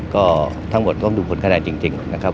ก็ทั้งหมดต้องดูผลคะแนนจริงนะครับ